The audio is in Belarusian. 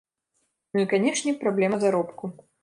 Ну і, канешне, праблема заробку.